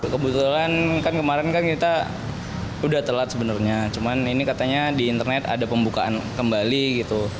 kebetulan kan kemarin kan kita udah telat sebenarnya cuman ini katanya di internet ada pembukaan kembali gitu